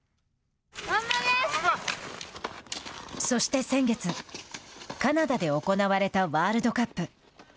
そして先月、カナダで行われたワールドカップ。